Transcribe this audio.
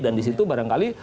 dan di situ barangkali